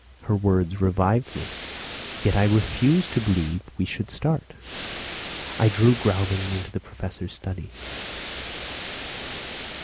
Her words revived me. Yet I refused to believe we should start. I drew Gräuben into the Professor's study.